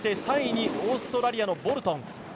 ３位にオーストラリアのボルトン。